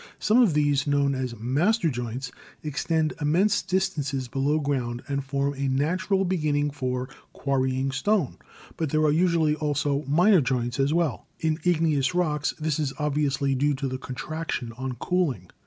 Some of these, known as 'master joints/ extend immense distances below ground and form a natural be ginning for quarrying stone, but there are usually also 'minor joints' as well. In igneous rocks this is obviously due to the contraction on cooling.